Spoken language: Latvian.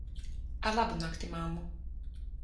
Ar labu nakti, mammu.